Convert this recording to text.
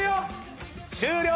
終了！